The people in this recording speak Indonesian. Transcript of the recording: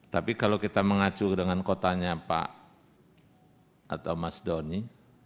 tapi kalau kita mengacu dengan kotanya pak atau mas doni